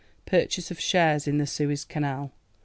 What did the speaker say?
Purchase of shares in the Suez Canal.